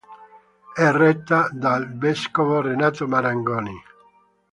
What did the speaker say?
È retta dal vescovo Renato Marangoni.